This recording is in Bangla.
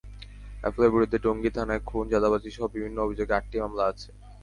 সাইফুলের বিরুদ্ধে টঙ্গী থানায় খুন, চাঁদাবাজিসহ বিভিন্ন অভিযোগে আটটি মামলা আছে।